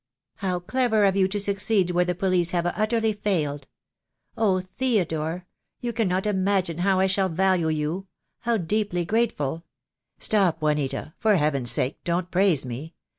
"How clever of you to succeed where the police have utterly failed. Oh, Theodore, you cannot imagine how I shall value you — how deeply grateful " "Stop, Juanita, for Heaven's sake don't praise me.